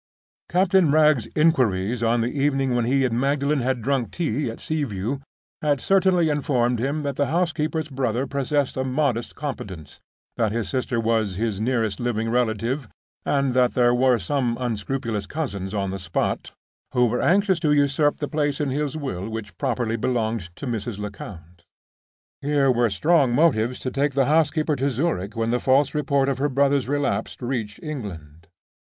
Captain Wragge's inquiries on the evening when he and Magdalen had drunk tea at Sea View had certainly informed him that the housekeeper's brother possessed a modest competence; that his sister was his nearest living relative; and that there were some unscrupulous cousins on the spot who were anxious to usurp the place in his will which properly belonged to Mrs. Lecount. Here were strong motives to take the housekeeper to Zurich when the false report of her brother's relapse reached England.